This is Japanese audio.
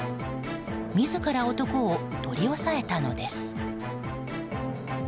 自ら、男を取り押さえたのです。